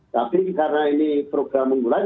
tapi karena ini program unggulan